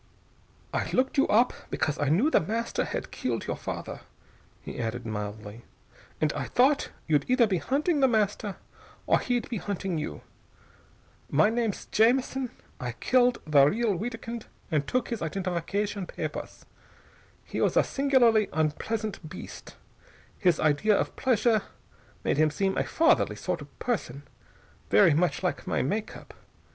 "I looked you up because I knew The Master had killed your father," he added mildly, "and I thought you'd either be hunting The Master or he'd be hunting you. My name's Jamison. I killed the real Wiedkind and took his identification papers. He was a singularly unpleasant beast. His idea of pleasure made him seem a fatherly sort of person, very much like my make up.